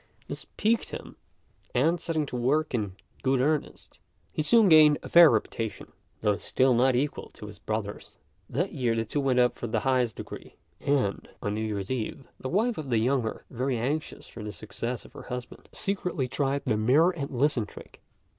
This piqued him; and, setting to work in good earnest, he soon gained a fair reputation, though still not equal to his brother's. That year the two went up for the highest degree; and, on New Year's Eve, the wife of the younger, very anxious for the success of her husband, secretly tried the "mirror and listen" trick.